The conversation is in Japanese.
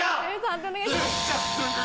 判定お願いします。